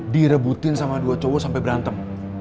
direbutin sama dua cowok sampai berantem